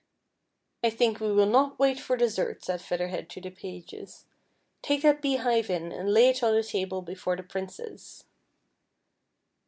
" 1 think we will not wait for dessert." said Feather Head to the pages, " take that beehive in, and lay it on the table before the Princess."